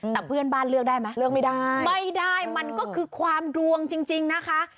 แต่เพื่อนบ้านเลือกได้ไหมเลือกไม่ได้ไม่ได้มันก็คือความดวงจริงนะคะ